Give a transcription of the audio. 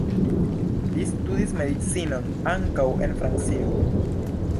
Li studis medicinon, ankaŭ en Francio.